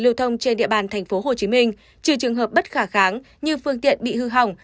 lưu thông trên địa bàn tp hcm trừ trường hợp bất khả kháng như phương tiện bị hư hỏng